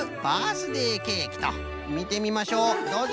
みてみましょうどうぞ。